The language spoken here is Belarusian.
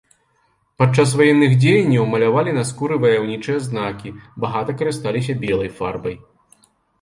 Падчас ваенных дзеянняў малявалі на скуры ваяўнічыя знакі, багата карысталіся белай фарбай.